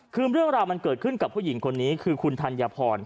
คือเรื่องราวมันเกิดขึ้นกับผู้หญิงคนนี้คือคุณธัญพร